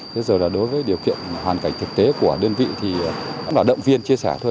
thế rồi là đối với điều kiện hoàn cảnh thực tế của đơn vị thì vẫn là động viên chia sẻ thôi